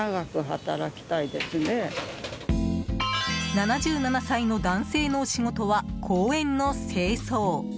７７歳の男性のお仕事は公園の清掃。